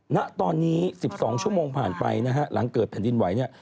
ณตอนนี้๑๒ชั่วโมงผ่านไปนะฮะหลังเกิดแผ่นดินไหวเนี่ย